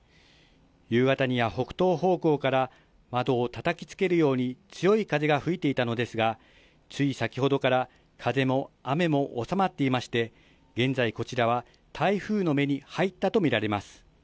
夕方には北東方向から窓をたたきつけるように強い風が吹いていたのですがつい先ほどから風も雨もおさまっていまして、現在こちらは台風の目に入ったとみられます。